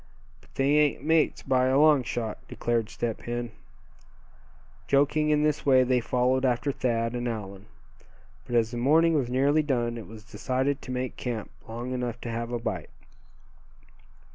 "But they ain't mates, by a long shot," declared Step Hen. Joking in this way they followed after Thad and Allan. But as the morning was nearly done it was decided to make camp long enough to have a bite.